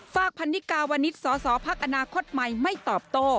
ฝากพันนิกาวณิศสสพรรคอนาคตใหม่ไม่ตอบโต